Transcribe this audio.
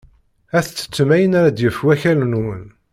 Ad tettettem ayen ara d-yefk wakal-nwen.